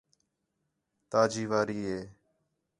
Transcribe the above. تا جی واری ہے